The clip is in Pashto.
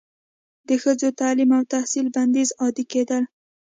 د ښځو تعلیم او تحصیل بندیز عادي کیدل